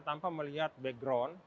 tanpa melihat background